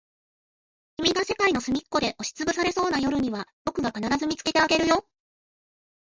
君が世界のすみっこで押しつぶされそうな夜には、僕が必ず見つけてあげるよ。